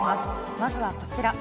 まずはこちら。